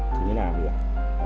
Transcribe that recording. thì mới làm được